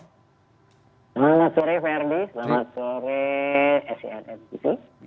selamat sore verdi selamat sore sinn